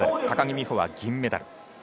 高木美帆は銀メダル。